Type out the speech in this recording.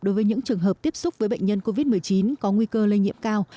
đối với những trường hợp tiếp xúc với bệnh nhân covid một mươi chín có nguy cơ lây nhiễm cao